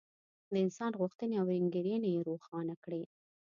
د انسان غوښتنې او انګېرنې یې روښانه کړې.